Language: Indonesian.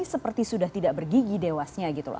seperti sudah tidak bergigi dewasnya gitu loh